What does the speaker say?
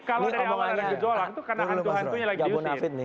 jadi kalau dari awal ada gejolak itu karena hantu hantunya lagi diusir